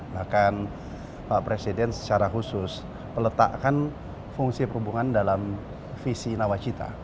bahkan pak presiden secara khusus meletakkan fungsi perhubungan dalam visi nawacita